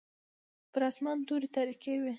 پر اسمان توري تاریکې وې.